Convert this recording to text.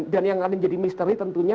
dan yang akan menjadi misteri tentunya